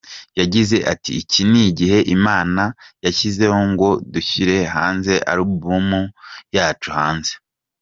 Yagize ati “Iki ni igihe Imana yashyizeho ngo dushyire hanze album yacu hanze.